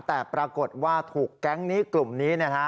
แต่ปรากฏว่าถูกแก๊งนี้กลุ่มนี้นะฮะ